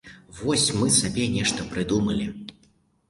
Вось мы сабе нешта прыдумалі.